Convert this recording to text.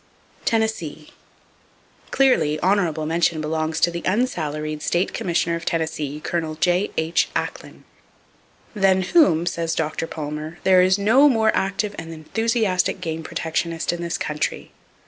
Tennessee. —Clearly, Honorable Mention belongs to the unsalaried State Commissioner of Tennessee, Col. J.H. Acklen, "than whom," says Dr. Palmer, "there is no more active and enthusiastic game protectionist in this country.